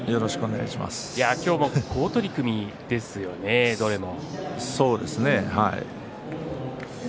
今日も好取組ですよねどれも。